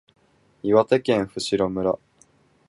岩手県普代村